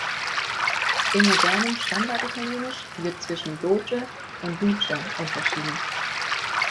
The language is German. Im modernen Standard-Italienisch wird zwischen "doge" und "duce" unterschieden.